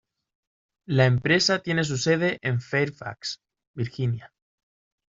La empresa tiene su sede en Fairfax, Virginia.